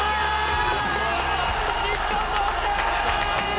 日本同点！